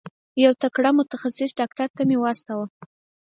یو تکړه متخصص ډاکټر ته مي واستوه.